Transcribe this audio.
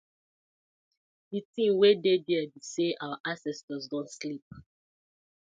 Di tin wey dey dere bi say our ancestors don sleep.